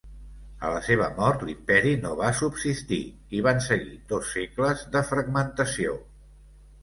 A la seva mort l'imperi no va subsistir i van seguir dos segles de fragmentació.